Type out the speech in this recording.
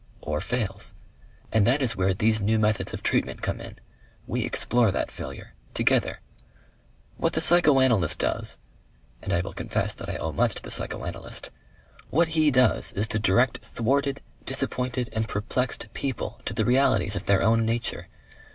"Or fails.... And that is where these new methods of treatment come in. We explore that failure. Together. What the psychoanalyst does and I will confess that I owe much to the psychoanalyst what he does is to direct thwarted, disappointed and perplexed people to the realities of their own nature.